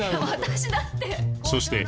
私だって。